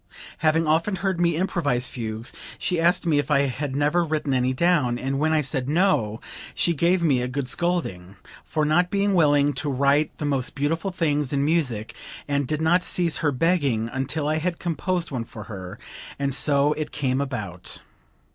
Having often heard me improvise fugues she asked me if I had never written any down, and when I said no, she gave me a good scolding, for not being willing to write the most beautiful things in music, and did not cease her begging until I had composed one for her, and so it came about.